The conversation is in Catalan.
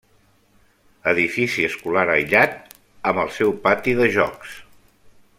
Edifici escolar aïllat, amb el seu pati de jocs.